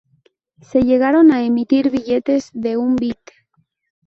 Se llegaron a emitir billetes de un bit.